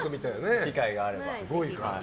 機会があれば。